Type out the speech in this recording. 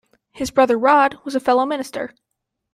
His brother Rod was a fellow minister.